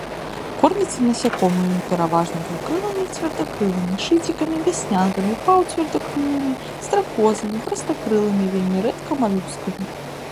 Корміцца насякомымі, пераважна двухкрылымі і цвердакрылымі, шыцікамі, вяснянкамі, паўцвердакрылымі, стракозамі, прастакрылымі, вельмі рэдка малюскамі.